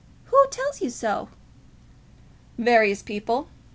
"Who tells you so?" "Various people.